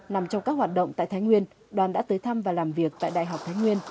nằm trong các hoạt động tại thái nguyên đoàn đã tới thăm và làm việc tại đại học thái nguyên